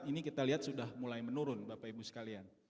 ini kita lihat sudah mulai menurun bapak ibu sekalian